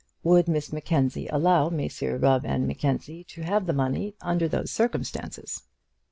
Would Miss Mackenzie allow Messrs Rubb and Mackenzie to have the money under these circumstances?